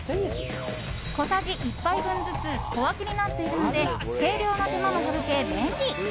小さじ１杯分ずつ小分けになっているので計量の手間も省け便利。